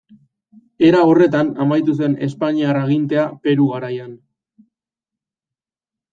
Era horretan amaitu zen espainiar agintea Peru Garaian.